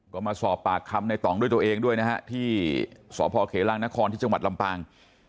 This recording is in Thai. ก็มาสอบปากคำในต่องด้วยตัวเองด้วยนะฮะที่สพเขลังนครที่จังหวัดลำปาง